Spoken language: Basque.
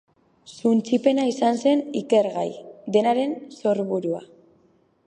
Suntsipena izan zen ikergaia, denaren sorburua.